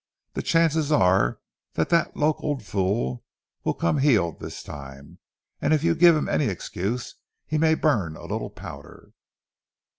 The chances are that that locoed fool will come heeled this time, and if you give him any excuse, he may burn a little powder."